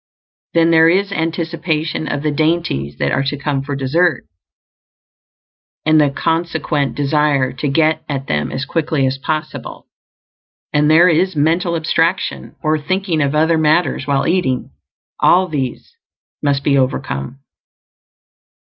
Then there is anticipation of the dainties that are to come for dessert, and the consequent desire to get at them as quickly as possible; and there is mental abstraction, or thinking of other matters while eating. All these must be overcome.